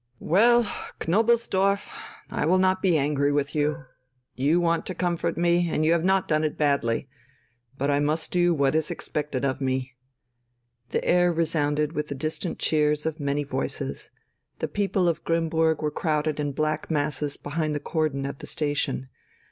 "Well, Knobelsdorff, I will not be angry with you. You want to comfort me, and you have not done it badly. But I must do what is expected of me...." The air resounded with the distant cheers of many voices. The people of Grimmburg were crowded in black masses behind the cordon at the station.